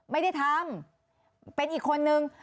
ไม่ได้ทำเป็นอีกคนนึง